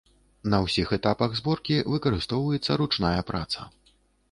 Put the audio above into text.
На ўсіх этапах зборкі выкарыстоўваецца ручная праца.